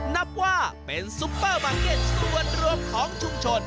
นับว่าเป็นซุปเปอร์มาร์เก็ตส่วนรวมของชุมชน